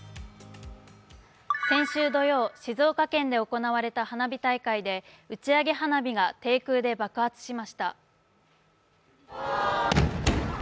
先週土曜、静岡県で行われた花火大会で打ち上げ花火が低空で爆発しました。